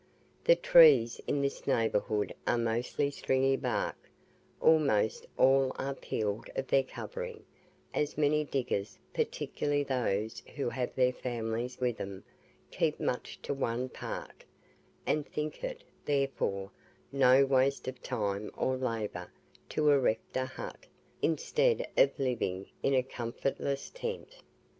The trees in this neighbourhood are mostly stringy bark; almost all are peeled of their covering, as many diggers, particularly those who have their families with them, keep much to one part, and think it, therefore, no waste of time or labour to erect a hut, instead of living in a comfortless tent.